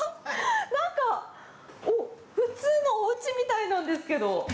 なんか普通のおうちみたいなんですけど。